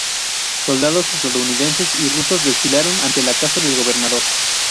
Soldados estadounidenses y rusos desfilaron ante la casa del gobernador.